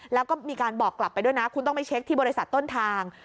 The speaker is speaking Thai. แล้วก็มีการบอกกลับไปด้วยนะคุณต้องไปเช็คที่บริษัทต้นทาง